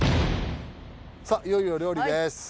さっいよいよ料理です。